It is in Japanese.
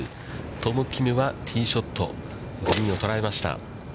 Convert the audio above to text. トム・キムはティーショット、グリーンを捉えました。